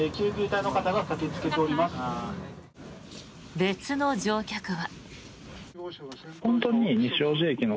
別の乗客は。